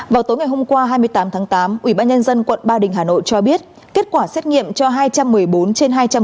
vào tối hôm qua hai mươi tám tháng tám ubnd quận ba đình hà nội cho biết kết quả xét nghiệm cho hai trăm một mươi bốn trên hai trăm một mươi bốn